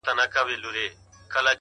هره هڅه د سبا بنسټ ږدي؛